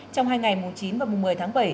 trong hai ngày chín và một mươi tháng bảy